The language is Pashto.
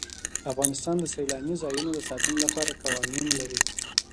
افغانستان د سیلاني ځایونو د ساتنې لپاره قوانین لري.